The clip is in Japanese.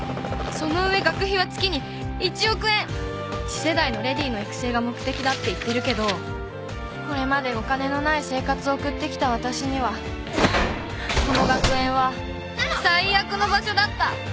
次世代の淑女の育成が目的だって言ってるけどこれまでお金のない生活を送ってきたわたしにはこの学園は最悪の場所だった。